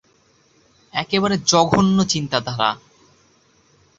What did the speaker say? একেবারে জঘন্য চিন্তাধারা।